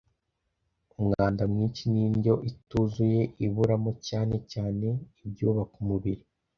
umwanda mwinshi n’indyo ituzuye iburamo cyane cyane ibyubaka umubiri”